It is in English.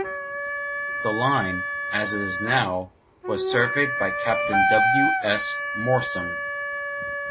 The line, as it is now, was surveyed by Captain W S Moorsom.